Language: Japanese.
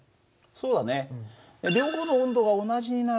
そうだね。